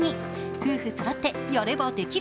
夫婦そろって、やればできる！